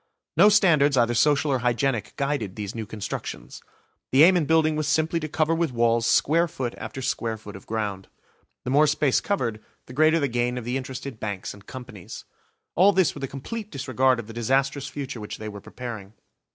No standards either social or hygienic guided these new constructions. The aim in building was simply to cover with walls square foot after square foot of ground. The more space covered, the greater the gain of the interested Banks and Companies. All this with a complete disregard of the disastrous future which they were preparing.